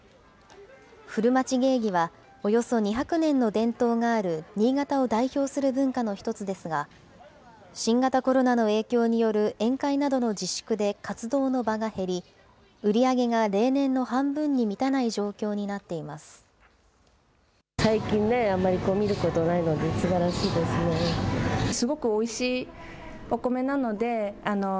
古町芸妓は、およそ２００年の伝統がある新潟を代表する文化の一つですが、新型コロナの影響による宴会などの自粛で活動の場が減り、売り上げが例年の半分に満たない状況になっています。